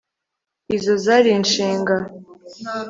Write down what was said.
Izo zari inshinga